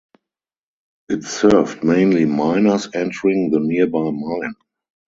It served mainly miners entering the nearby mine.